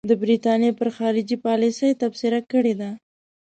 د برټانیې پر خارجي پالیسۍ تبصره کړې ده.